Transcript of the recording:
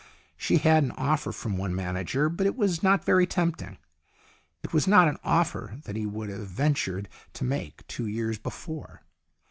She had an offer from one manager, but it was not very tempting. It was not an offer that he would have ventured to make two years before.